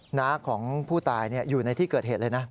หน้าของผู้ตายอยู่ในที่เกิดเหตุเลยนะ